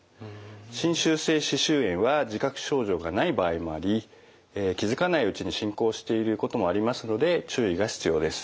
侵襲性歯周炎は自覚症状がない場合もあり気付かないうちに進行していることもありますので注意が必要です。